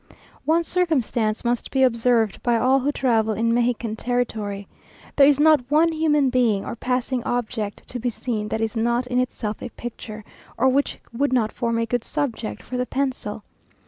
One circumstance must be observed by all who travel in Mexican territory. There is not one human being or passing object to be seen that is not in itself a picture, or which would not form a good subject for the pencil.